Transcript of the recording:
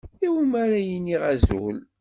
Iwumi ara iniɣ azul?